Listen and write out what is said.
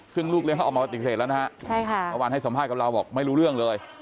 ซึ่งลูกเลี้ยเขาออกมาปฏิเสธแล้วนะฮะใช่ค่ะเมื่อวานให้สัมภาษณ์กับเราบอกไม่รู้เรื่องเลย